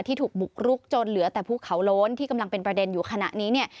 ถูกบุกรุกจนเหลือแต่ภูเขาโล้นที่กำลังเป็นประเด็นอยู่ขณะนี้เนี่ย